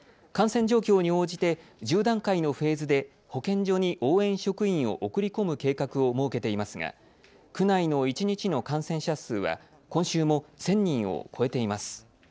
感染状況に応じて１０段階のフェーズで保健所に応援職員を送り込む計画を設けていますが区内の一日の感染者数は今週も１０００人を超えています。